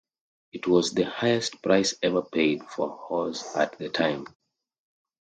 It was the highest price ever paid for a horse at the time.